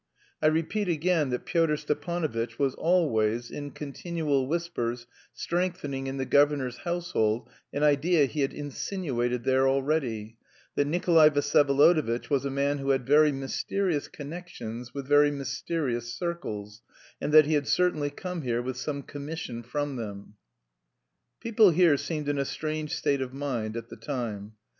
I repeat again that Pyotr Stepanovitch was always, in continual whispers, strengthening in the governor's household an idea he had insinuated there already, that Nikolay Vsyevolodovitch was a man who had very mysterious connections with very mysterious circles, and that he had certainly come here with some commission from them. People here seemed in a strange state of mind at the time.